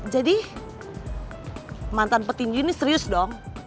mantan petinju ini serius dong